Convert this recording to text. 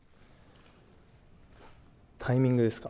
タイミングですか？